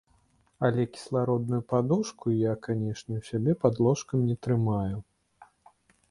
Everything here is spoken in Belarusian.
Але кіслародную падушку я, канешне, у сябе пад ложкам не трымаю.